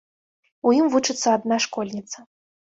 У ім вучыцца адна школьніца.